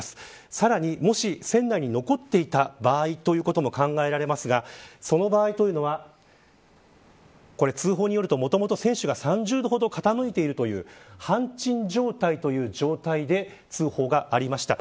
さらに、もし船内に残っていた場合ということも考えられますがその場合というのは通報によると、もともと船首が３０度ほど傾いているという半沈状態という状態で通報がありました。